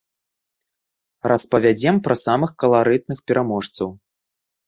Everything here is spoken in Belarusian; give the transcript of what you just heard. Распавядзем пра самых каларытных пераможцаў.